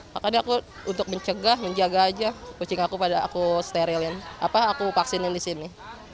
makanya aku untuk mencegah menjaga aja kucing aku pada aku sterilin apa aku vaksinin di sini